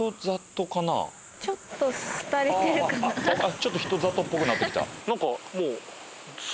ちょっと人里っぽくなってきた。